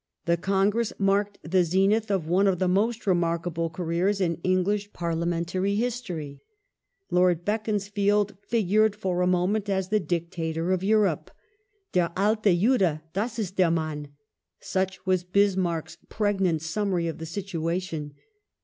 The Congress marked the zenith of one of the most remarkable careers in English parliamentary history. Lord Beaconsfield figured for a moment as the dictator of Europe. " Der alte Jude, das ist der Mann." Such was Bismarck's pregnant summary of the situation.